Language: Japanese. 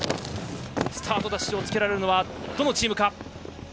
スタートダッシュをつけられるのは、どのチームか？